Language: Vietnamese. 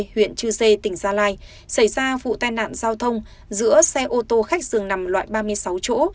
huyện chư sê tỉnh gia lai xảy ra vụ tai nạn giao thông giữa xe ô tô khách dường nằm loại ba mươi sáu chỗ